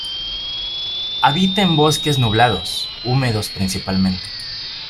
Habita en bosques nublados húmedos principalmente.